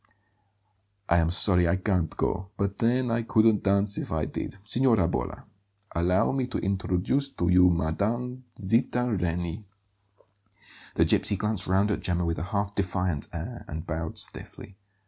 "I am sorry I can't go; but then I couldn't dance if I did. Signora Bolla, allow me to introduce to you Mme. Zita Reni." The gipsy glanced round at Gemma with a half defiant air and bowed stiffly.